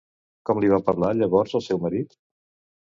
Com li va parlar llavors al seu marit?